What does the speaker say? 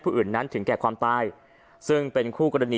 พระเจ้าอาวาสกันหน่อยนะครับ